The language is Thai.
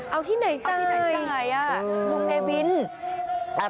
เอาที่ไหนใจมุ่งเนวินเอาที่ไหนใจโอ้โฮ